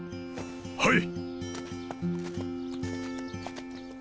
はい。